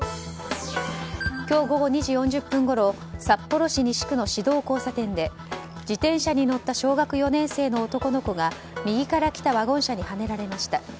今日午後２時４０分ごろ札幌市西区の市道交差点で自転車の乗った小学４年生の男の子が右から来たワゴン車にはねられました。